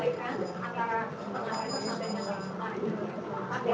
tapi kalau kita melihat di kuala lumpur kan